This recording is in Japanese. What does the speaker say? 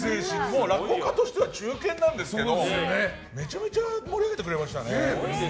もう落語家としては中堅なんですけどもめちゃめちゃ盛り上げてくれましたね。